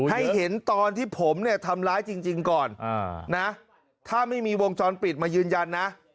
ให้เห็นตอนที่ผมเนี่ยทำร้ายจริงก่อนนะถ้าไม่มีวงจรปิดมายืนยันนะ